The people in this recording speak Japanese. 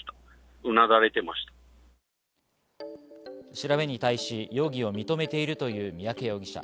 調べに対し容疑を認めているという三宅容疑者。